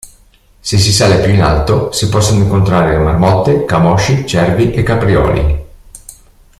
Se si sale più in alto si possono incontrare marmotte, camosci, cervi e caprioli.